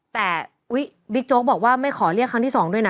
แต่บิ๊กโจ๊กบอกว่าไม่ขอเรียกครั้งที่๒ด้วยนะ